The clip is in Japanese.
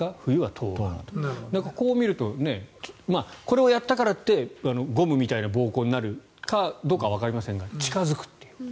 こういうのを聞くとこれをやったからといってゴムみたいな膀胱になるかどうかはわかりませんが近付くという。